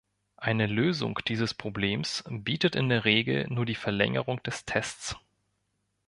Eine Lösung dieses Problems bietet in der Regel nur die Verlängerung des Tests.